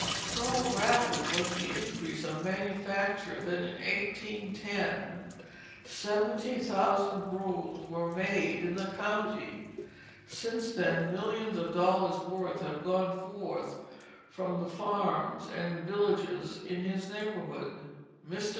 So rapid was the increase of manufacture that in 1810 seventy thousand brooms were made in the county. Since then millions of dollars' worth have gone forth from the farms and villages in his neighborhood. Mr.